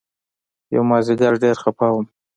يومازديگر ډېر خپه وم.